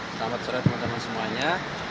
selamat sore teman teman semuanya